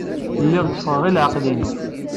Lliɣ tteffɣeɣ i leɛqel-inu.